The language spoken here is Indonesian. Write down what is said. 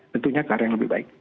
tentunya karya yang lebih baik